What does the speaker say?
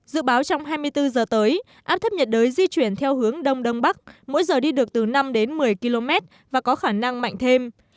dự báo trong hai mươi bốn giờ tới áp thấp nhiệt đới di chuyển theo hướng đông đông bắc mỗi giờ đi được từ năm đến một mươi km và có khả năng mạnh thêm